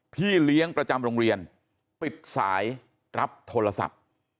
พี่เลี้ยงประจำโรงเรียนปิดสายรับโทรศัพท์